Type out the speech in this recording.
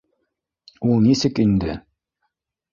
Ул нисек инде...